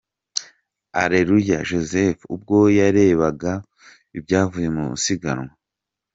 Areruya Joseph ubwo yarebaga ibyavuye mu isiganwa .